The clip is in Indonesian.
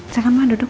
silahkan mama duduk